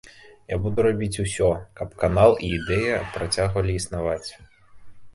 Я буду рабіць усё, каб канал і ідэя працягвалі існаваць.